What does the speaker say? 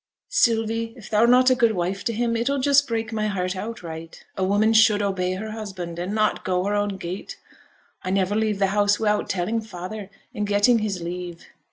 'Sylvie, if thou're not a good wife to him, it'll just break my heart outright. A woman should obey her husband, and not go her own gait. I never leave the house wi'out telling father, and getting his leave.'